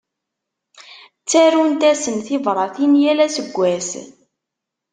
Ttarunt-asen tibratin yal aseggas.